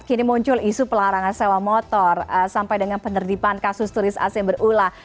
kini muncul isu pelarangan sewa motor sampai dengan penerdipan kasus turis asing berulang